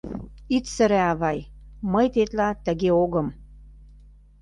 Ит сыре, авай, мый тетла тыге огым